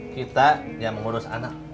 kita yang mengurus anak